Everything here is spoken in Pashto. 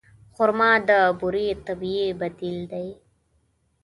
خرما د بوري طبیعي بدیل دی.